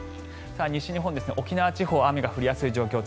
西日本と沖縄地方が雨が降りやすいです。